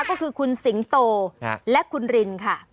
ก็คือคุณสิงโตและคุณรินค่ะ